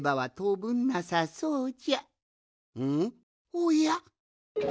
おや？